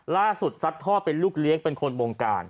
ซัดทอดเป็นลูกเลี้ยงเป็นคนบงการ